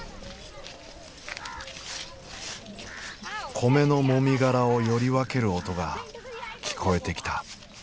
米のもみ殻をより分ける音が聞こえてきた。